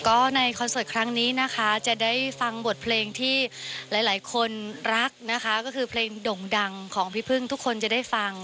ก็ในคอนเสิร์ตครั้งนี้นะคะจะได้ฟังบทเพลงที่หลายหลายคนรักนะคะก็คือเพลงด่งดังของพี่พึ่งทุกคนจะได้ฟัง